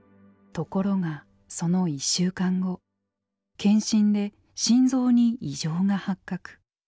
ところがその１週間後検診で心臓に異常が発覚。